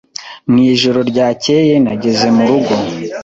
Mwijoro ryakeye, nageze murugo.